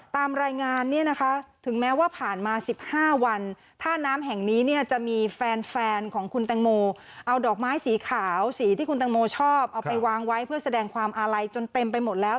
ตามรายงานเนี่ยนะคะถึงแม้ว่าผ่านมา๑๕วันท่าน้ำแห่งนี้เนี่ยจะมีแฟนแฟนของคุณแตงโมเอาดอกไม้สีขาวสีที่คุณตังโมชอบเอาไปวางไว้เพื่อแสดงความอาลัยจนเต็มไปหมดแล้ว